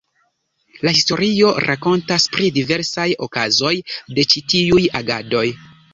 La historio rakontas pri diversaj okazoj de ĉi tiuj agadoj.